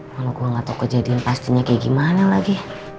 kalau gue gak tau kejadian pastinya kayak gimana lagi